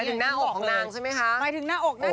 ไปถึงหน้าอกของนางใช่ไหมคะโหไปถึงหน้าอกน่าใจนะครับ